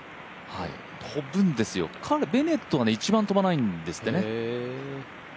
飛ぶんですよ、ベネットが一番飛ばないんですってね。